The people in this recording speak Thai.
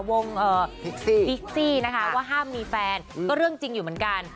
พิกซี่นะคะว่าห้ามมีแฟนก็เรื่องจริงอยู่เหมือนกัน